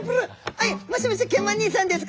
「はいもしもしケンマ兄さんですか？」。